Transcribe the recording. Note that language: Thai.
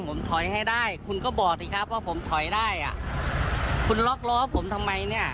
ผมถอยให้ได้คุณก็บอกสิครับว่าผมถอยได้อ่ะคุณล็อกล้อผมทำไมเนี่ย